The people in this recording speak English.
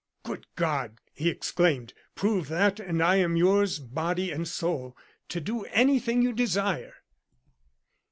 "Good God!" he exclaimed; "prove that, and I am yours, body and soul to do anything you desire."